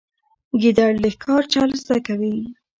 ګیدړ د ښکار چل زده کوي.